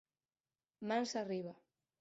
Mans arriba!